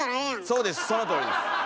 そうですそのとおりです。